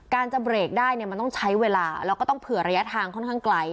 จะเบรกได้เนี่ยมันต้องใช้เวลาแล้วก็ต้องเผื่อระยะทางค่อนข้างไกล